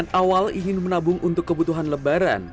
yang awal ingin menabung untuk kebutuhan lebaran